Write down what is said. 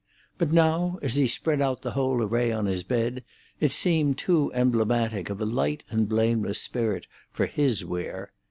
But now, as he spread out the whole array on his bed, it seemed too emblematic of a light and blameless spirit for his wear.